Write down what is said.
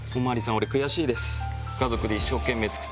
俺悔しいです。